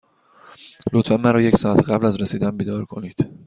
لطفا مرا یک ساعت قبل از رسیدن بیدار کنید.